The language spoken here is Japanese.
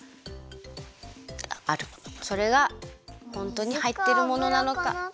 それがホントにはいってるものなのか。